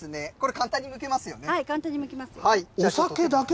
簡単にむけます。